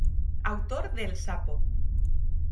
Autor de El Sapo.